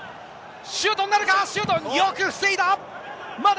シュートになるか、シュート、よく防いだ！